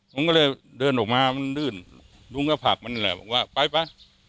ผมก็เลยเดินออกมามันลื่นลุงก็ผลักมันแหละบอกว่าไปไป